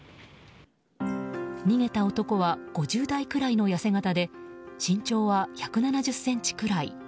逃げた男は５０代ぐらいの痩せ形で身長は１７０ｃｍぐらい。